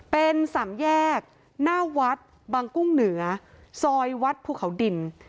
เป็นสามแยกหน้าวัดบางกุ้งเหนือซอยวัดภูเขาดิน